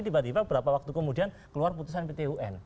tiba tiba berapa waktu kemudian keluar putusan pt wn